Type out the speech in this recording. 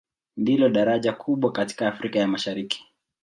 Ndilo daraja kubwa katika Afrika ya Mashariki.